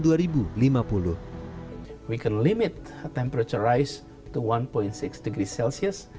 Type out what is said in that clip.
kita bisa mengurangi emisi emisi ke satu enam derajat celcius